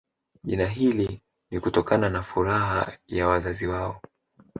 Jina hili ni kutokana na furaha ya wazazi wao